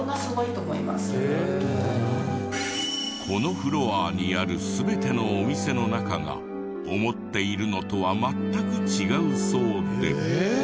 このフロアにある全てのお店の中が思っているのとは全く違うそうで。